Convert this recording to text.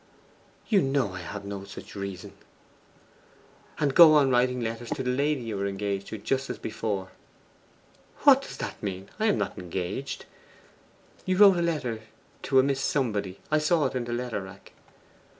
'You know I have no such reason.' 'And go on writing letters to the lady you are engaged to, just as before.' 'What does that mean? I am not engaged.' 'You wrote a letter to a Miss Somebody; I saw it in the letter rack.